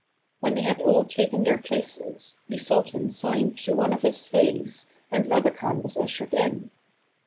When they had all taken their places, the THE GAB AVAN. 215 sultan signed to one of his slaves, and Labakan was ushered in.